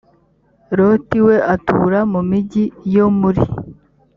loti we atura mu migi yo muri